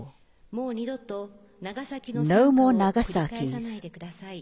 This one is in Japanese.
もう二度と、長崎の惨禍を繰り返さないでください。